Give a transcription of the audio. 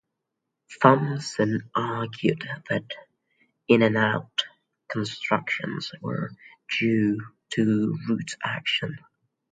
Thompson argued that the "in-and-out" constructions were due to root action.